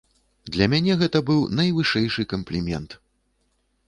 Для мяне гэта быў найвышэйшы камплімент.